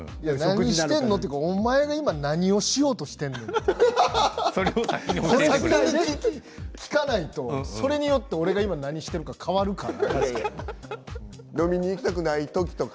何してんのと思えばお前が今何しようとしてんねんとそれによって俺が今何してるか変わるから。